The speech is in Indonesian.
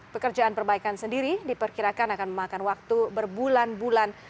pekerjaan perbaikan sendiri diperkirakan akan memakan waktu berbulan bulan